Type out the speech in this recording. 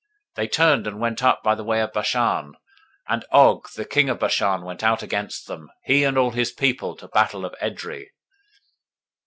021:033 They turned and went up by the way of Bashan: and Og the king of Bashan went out against them, he and all his people, to battle at Edrei.